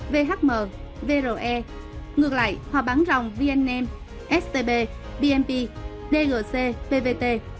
vhm vre ngược lại hòa bán rồng vnm stb bnp dgc pvt